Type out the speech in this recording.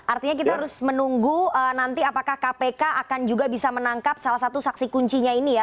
artinya kita harus menunggu nanti apakah kpk akan juga bisa menangkap salah satu saksi kuncinya ini ya